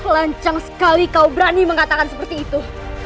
lancang sekali kau berani mengatakan seperti itu